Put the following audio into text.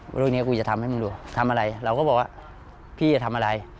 เรื่องนี้กูจะทำให้มึงดูทำอะไรเราก็บอกว่าพี่จะทำอะไร